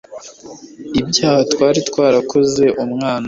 ibyaha twari twarakoze, umwana